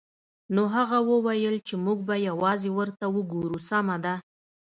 نو هغه وویل چې موږ به یوازې ورته وګورو سمه ده